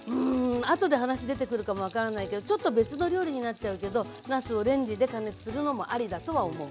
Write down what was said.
あとで話出てくるかもわからないけどちょっと別の料理になっちゃうけどなすをレンジで加熱するのもありだとは思う。